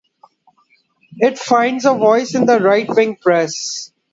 It finds a voice in the Right-wing press.